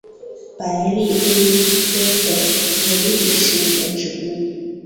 白栎为壳斗科栎属的植物。